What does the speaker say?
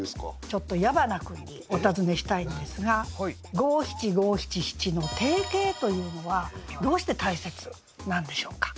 ちょっと矢花君にお尋ねしたいんですが五七五七七の定型というのはどうして大切なんでしょうか？